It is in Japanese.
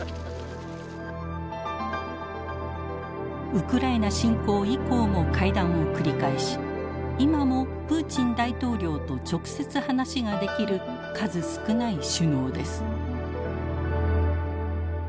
ウクライナ侵攻以降も会談を繰り返し今もプーチン大統領と直接話ができる数少ない首脳です。